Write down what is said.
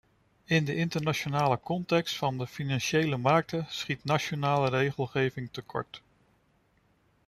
In de internationale context van de financiële markten schiet nationale regelgeving tekort.